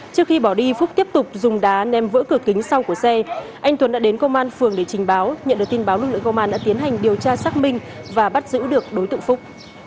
trước khi bỏ đi phúc tiếp tục dùng đá ném vỡ cửa kính sau của xe anh tuấn đã đến công an phường để trình báo nhận được tin báo lực lượng công an đã tiến hành điều tra xác minh và bắt giữ được đối tượng phúc